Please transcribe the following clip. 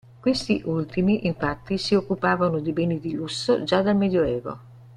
Questi ultimi infatti si occupavano di beni di lusso già dal Medioevo.